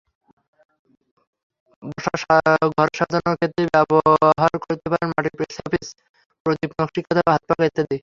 বসার ঘরসাজানোর ক্ষেত্রে ব্যবহার করতে পারেন মাটির শোপিস, প্রদীপ, নকশি কাঁথা, হাতপাখা ইত্যাদি।